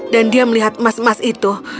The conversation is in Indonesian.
dan dia melihat emas emas itu